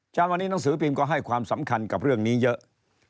เช้าวันนี้หนังสือพิมพ์ก็ให้ความสำคัญกับเรื่องนี้เยอะ